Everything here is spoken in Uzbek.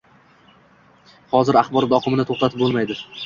Hozir axborot oqimini to`xtatib bo`lmaydi